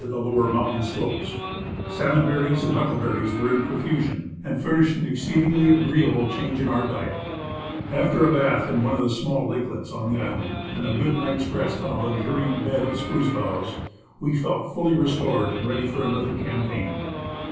C. Russell—Expedition to Mount St. Ellas. lower mountain slopes ; salmon berries and huckleberries were in profusion, and furnished an exceedingly agreeable change in our diet. After a bath in one of the small lakelets on the island and a good night's rest on a luxuriant bed of spruce boughs, we felt fully restored and ready for another campaign.